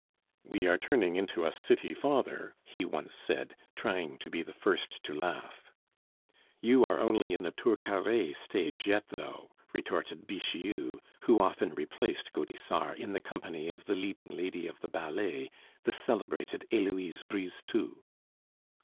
"We are turning into a city father," he once said, trying to be the first to laugh. "You are only in the Turcaret stage yet, though," retorted Bixiou, who often replaced Gaudissart in the company of the leading lady of the ballet, the celebrated Heloise Brisetout.